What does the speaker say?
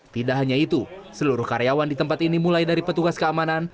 tidak hanya itu seluruh karyawan di tempat ini mulai dari petugas keamanan